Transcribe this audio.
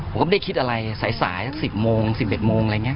ผมไม่ได้คิดอะไรสายสายสิบโมง๑๐๑๑โมง